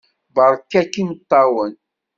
Beṛka-k imeṭṭawen!